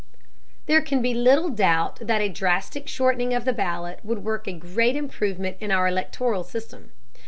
There can be little doubt that a drastic shortening of the ballot would work a great improvement in our electoral system.